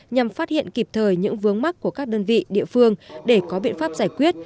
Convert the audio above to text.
nhằm phát hiện kịp thời những vướng mắt của các đơn vị địa phương để có biện pháp giải quyết